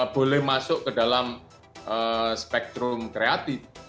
boleh masuk ke dalam spektrum kreatif